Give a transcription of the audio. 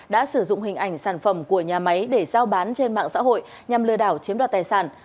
đã sử dụng hình ảnh sản phẩm của nhà máy để giao bán trên mạng xã hội nhằm lừa đảo chiếm đoạt tài sản